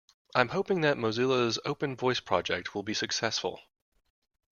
I'm hoping that Mozilla's Open Voice project will be successful.